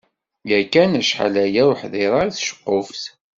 Yakan acḥal-aya ur ḥdireɣ i tceqquft.